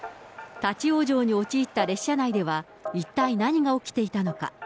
立往生に陥った列車内では、一体何が起きていたのか。